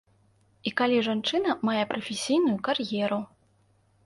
І калі жанчына мае прафесійную кар'еру.